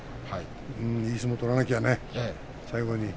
いい相撲を取らなきゃね最後まで。